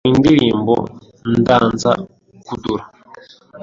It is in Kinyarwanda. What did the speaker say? mu ndirimbo Danza Kuduro